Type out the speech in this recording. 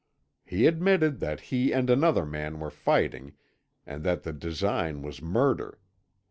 He admitted that he and another man were fighting, and that the design was murder.